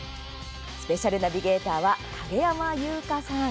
スペシャルナビゲーターは影山優佳さん。